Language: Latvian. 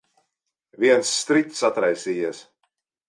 Viens striķis atraisījies.